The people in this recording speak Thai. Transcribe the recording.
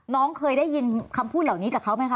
น้องเคยได้ยินคำพูดเหล่านี้จากเขาไหมคะ